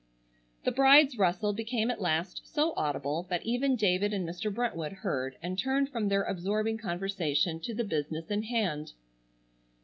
The bride's rustle became at last so audible that even David and Mr. Brentwood heard and turned from their absorbing conversation to the business in hand.